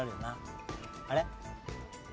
あれ？